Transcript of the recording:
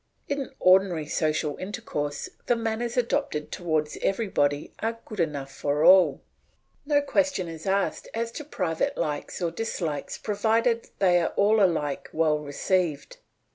In ordinary social intercourse the manners adopted towards everybody are good enough for all; no question is asked as to private likes or dislikes provided all are alike well received.